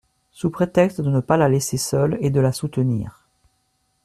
sous prétexte de ne pas la laisser seule et de la soutenir.